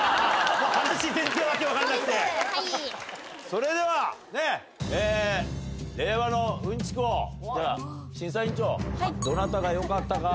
それでは令和のうんちく王では審査員長どなたがよかったか。